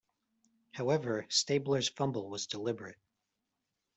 However, Stabler's fumble was deliberate.